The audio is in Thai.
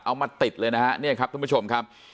เอามาติดเลยนะฮะเนี่ยครับท่านผู้ชมครับ